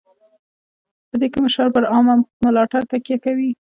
په دې کې مشران پر عامه ملاتړ تکیه کوي.